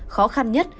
khó khăn nhất